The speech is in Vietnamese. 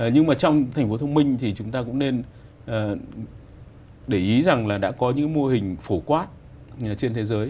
nhưng mà trong thành phố thông minh thì chúng ta cũng nên để ý rằng là đã có những mô hình phổ quát trên thế giới